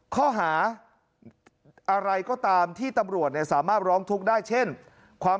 ข้อหาอะไรก็ตามที่ตำรวจเนี่ยสามารถร้องทุกข์ได้เช่นความ